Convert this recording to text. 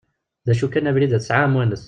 D acu kan abrid-a tesɛa amwanes.